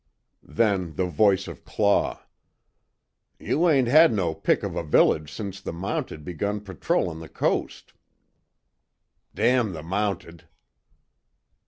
Then the voice of Claw: "You ain't had no pick of a village since the Mounted begun patrolin' the coast." "Damn the Mounted!"